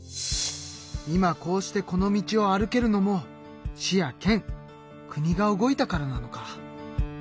今こうしてこの道を歩けるのも市や県国が動いたからなのか。